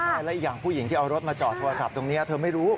และอีกอย่างผู้หญิงที่เอารถมาจอดโทรศัพท์ตรงนี้เธอไม่รู้